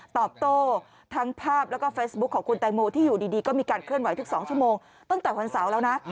ตอบโต้ทั้งภาพแล้วก็เฟซบุ๊คของคุณแตงโมที่อยู่ดีก็มีการเคลื่อนไหวทุก๒ชั่วโมงตั้งแต่วันเสาร์แล้วนะ